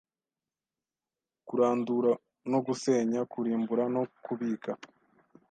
kurandura no gusenya, kurimbura no kūbika,